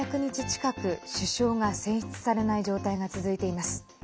近く首相が選出されない状態が続いています。